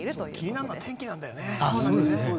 気になるのは天気なんだよね。